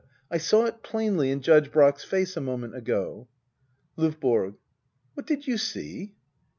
I sa^ it plainly in Judge Brack's face a moment ago. LdVBORO. What did you see